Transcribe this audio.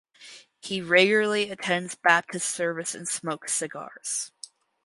He regularly attends Baptist service and smokes cigars.